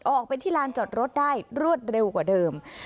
ออกไปที่ลานจอดรถได้รวดเร็วกว่าเดิม